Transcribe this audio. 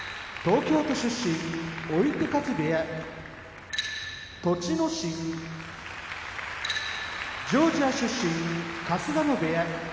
追手風部屋栃ノ心ジョージア出身春日野部屋